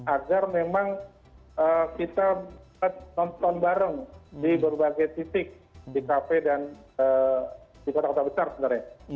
agar memang kita nonton bareng di berbagai titik di kafe dan di kota kota besar sebenarnya